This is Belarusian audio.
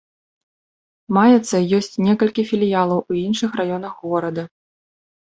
Маецца ёсць некалькі філіялаў у іншых раёнах горада.